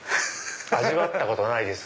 味わったことないです